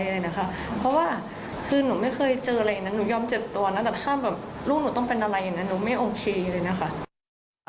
ถ้าลูกหนูต้องเป็นอะไรอย่างนั้นหนูไม่โอเคเลยนะคะ